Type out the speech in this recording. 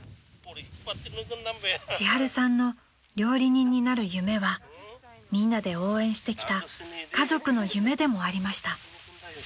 ［千春さんの料理人になる夢はみんなで応援してきた家族の夢でもありました］